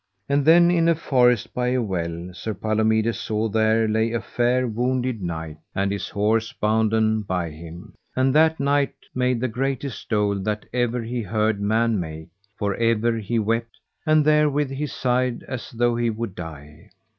And then in a forest by a well Sir Palomides saw where lay a fair wounded knight and his horse bounden by him; and that knight made the greatest dole that ever he heard man make, for ever he wept, and therewith he sighed as though he would die.